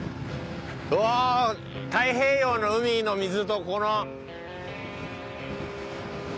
うわ太平洋の海の水とこの。